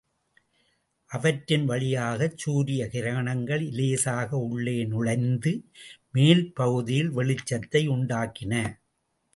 அவற்றின் வழியாகச் சூரிய கிரணங்கள் இலேசாக உள்ளே நுழைந்து, மேல்பகுதியில் வெளிச்சத்தை உண்டாக்கின.